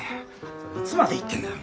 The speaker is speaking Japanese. いつまで言ってんだよ。